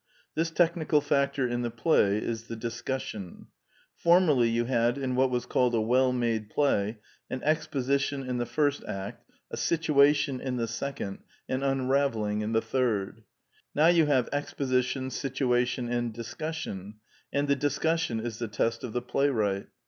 This technical factor in the play is the dis cussion. Formerly you had in what was called a well made play an exposition in the first act, a situation in the second, an unravelling in the third. Now you have exposition, situation, and discussion; and the discussion is the test of the playwright.